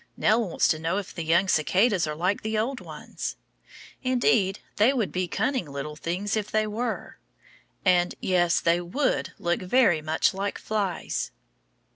Nell wants to know if the young cicadas are like the old ones. Indeed, they would be cunning little things if they were, and yes, they would look very much like flies.